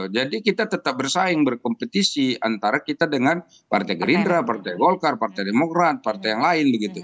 jadi kita tetap bersaing berkompetisi antara kita dengan partai gerindra partai golkar partai demokrat partai yang lain